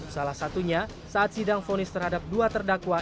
salah satunya saat sidang fonis terhadap dua terdakwa